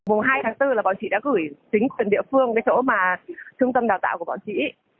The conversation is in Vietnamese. vùng hai tháng bốn là bọn chị đã gửi đến tầng địa phương cái chỗ mà trung tâm đào tạo của bọn chị